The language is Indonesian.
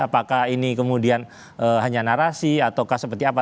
apakah ini kemudian hanya narasi ataukah seperti apa